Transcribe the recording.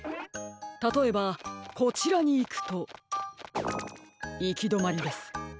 たとえばこちらにいくといきどまりです。